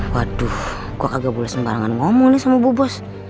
waduh kok agak boleh sembarangan ngomong nih sama bu bos